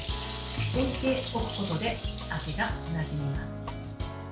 置いておくことで味がなじみます。